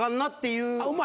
うまい。